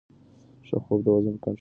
ښه خوب د وزن په کنټرول کې مرسته کوي.